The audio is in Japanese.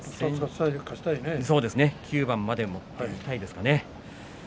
９番まで持っていきたいですかね。